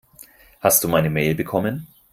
Hast du meine Mail bekommen?